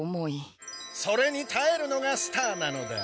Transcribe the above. それにたえるのがスターなのだ。